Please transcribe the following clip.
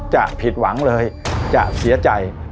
จะผิดหวังเลยจะเสียใจ